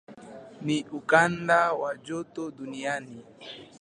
Ni ukanda wa joto duniani.